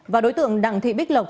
và đối tượng đặng thị bích lộc